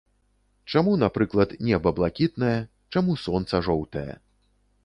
Чаму, напрыклад, неба блакітнае, чаму сонца жоўтае.